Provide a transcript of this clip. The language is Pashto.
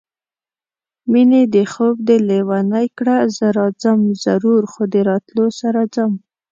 مېنې دې خوب دې لېونی کړه زه راځم ضرور خو د راتلو سره ځم